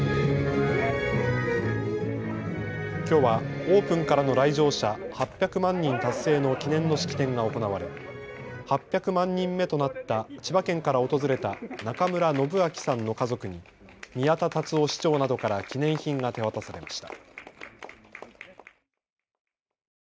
きょうはオープンからの来場者８００万人達成の記念の式典が行われ８００万人目となった千葉県から訪れた中村展章さんの家族に宮田達夫市長などから記念品が手渡されました。